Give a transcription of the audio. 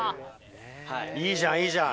いいじゃんいいじゃん。